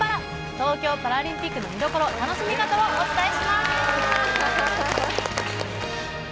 東京パラリンピックの見どころ楽しみ方をお伝えします！